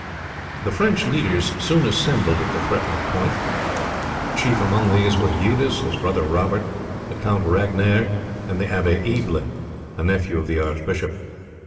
The French leaders soon assembled at the threatened point. Chief among these were Eudes, his brother Robert, the Count Ragenaire, and the Abbe Ebble, a nephew of the archbishop.